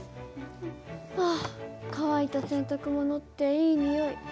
あ乾いた洗濯物っていい匂い。